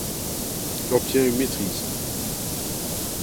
Il obtient une maîtrise.